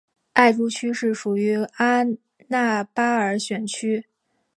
艾珠区是属于阿纳巴尔选区。